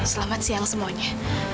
selamat siang semuanya